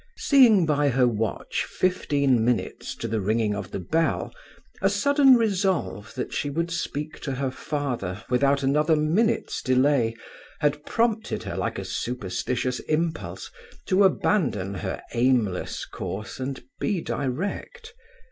Seeing by her watch fifteen minutes to the ringing of the bell, a sudden resolve that she would speak to her father without another minute's delay had prompted her like a superstitious impulse to abandon her aimless course and be direct.